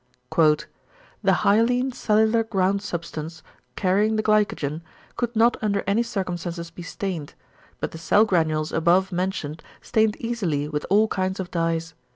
"The hyaline cellular ground substance, carrying the glycogen, could not under any circumstances be stained, but the cell granules above mentioned stained easily with all kinds of dyes.